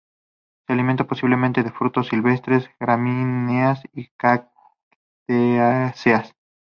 Se alimenta posiblemente de frutos silvestres, gramíneas, y cactáceas.